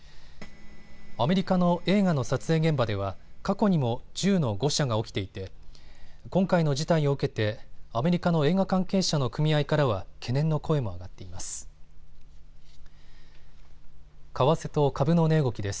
アメリカの映画の撮影現場では過去にも銃の誤射が起きていて今回の事態を受けてアメリカの映画関係者の組合からは懸念の声も上がっています。